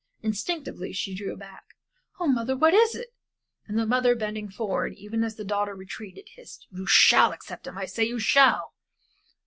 Instinctively she drew back "Oh, mother, what is it?" And the mother bending forward, even as the daughter retreated, hissed, "You shall accept him I say you shall!"